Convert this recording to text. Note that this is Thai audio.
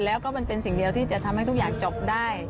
แล้วก็มันเป็นสิ่งเดียวที่จะทำให้ทุกอย่างจบได้